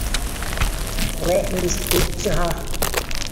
Let me speak to her.